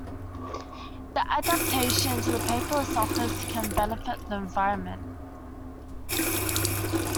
The adaptation to a paperless office can benefit the environment.